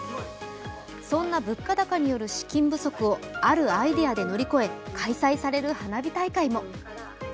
そんな物価高による資金不足をあるアイデアで乗り越え開催される花火大会も。